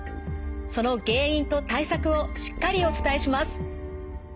その原因と対策をしっかりお伝えします。